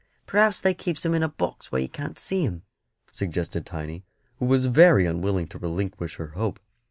"Perhaps they keeps 'em in a box where you can't see 'em," suggested Tiny, who was very unwilling to relinquish her hope.